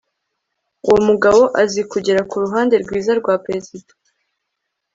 Uwo mugabo azi kugera ku ruhande rwiza rwa perezida